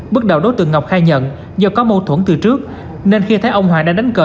bước đầu đối tượng ngọc khai nhận do có mâu thuẫn từ trước nên khi thấy ông hoàng đang đánh cờ